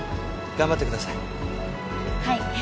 頑張ってください。